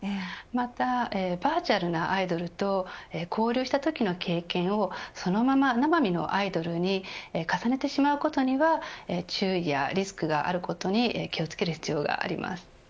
またバーチャルなアイドルと交流したときの経験をそのまま、生身のアイドルに重ねてしまうことには注意やリスクがあることに気をつける必要があります。